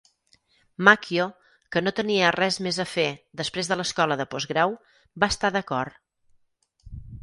Macchio, que no tenia "res més a fer després de l'escola de postgrau", va estar d'acord.